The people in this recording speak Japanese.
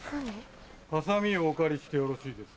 ハサミをお借りしてよろしいですか？